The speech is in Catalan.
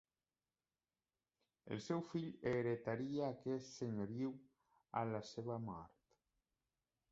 El seu fill heretaria aquest senyoriu a la seva mort.